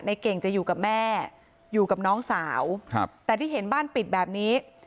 เก่งจะอยู่กับแม่อยู่กับน้องสาวครับแต่ที่เห็นบ้านปิดแบบนี้